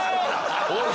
おい！